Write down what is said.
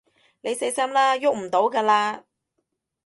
你死心啦，逳唔到㗎喇